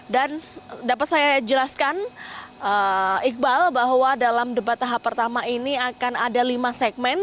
dan dapat saya jelaskan iqbal bahwa dalam debat tahap pertama ini akan ada lima segmen